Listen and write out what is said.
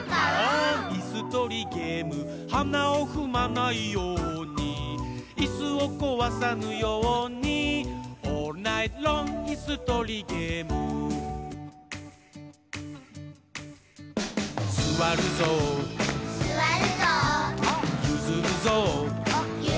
いすとりゲーム」「はなをふまないように」「いすをこわさぬように」「オールナイトロングいすとりゲーム」「すわるぞう」「ゆずるぞう」